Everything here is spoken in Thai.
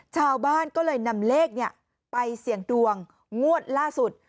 ชาวบ้านก็เลยนำเลขไปเสี่ยงดวงงวดล่าสุด